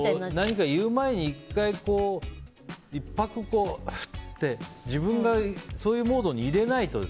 何か言う前に１拍フッと置いて自分がそういうモードに入れないと。